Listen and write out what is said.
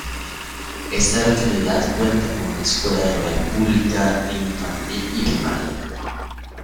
Esta localidad cuenta con una escuela rural pública de Infantil y Primaria.